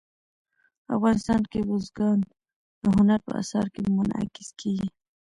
افغانستان کې بزګان د هنر په اثار کې منعکس کېږي.